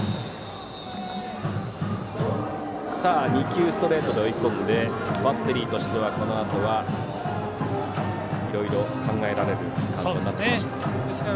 ２球ストレートで追い込んでバッテリーとしてはこのあとはいろいろ考えられるカウントになってきました。